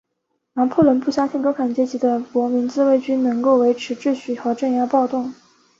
拿破仑不相信中产阶级的国民自卫军能够维持秩序和镇压暴动。